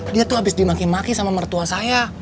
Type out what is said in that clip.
dia tuh habis dimaki maki sama mertua saya